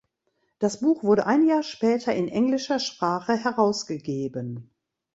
Das Buch wurde ein Jahr später in englischer Sprache herausgegeben.